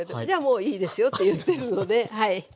「じゃあもういいですよ」と言ってるのではい。